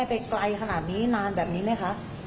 เราเคยจับพ่อแม่ไปไกลขนาดนี้นานแบบนี้ไหมคะ